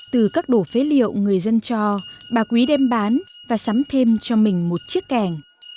từ các đổ phế liệu người dân cho bà quý đem bán và sắm thêm cho mình một chiếc kẻng